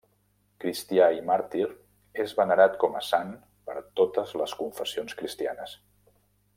Cristià i màrtir, és venerat com a sant per totes les confessions cristianes.